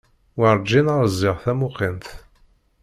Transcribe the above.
Warǧin ṛziɣ tamuqint.